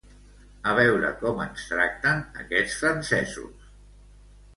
A veure com ens tracten aquests francesos